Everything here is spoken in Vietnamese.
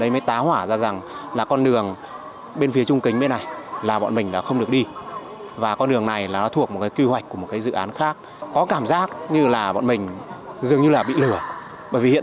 một thành viên đầu tư văn phú trung kính gửi đến báo chí một thông cáo báo chí cho biết